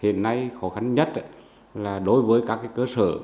hiện nay khó khăn nhất là đối với các cơ sở giết mổ động vật tập trung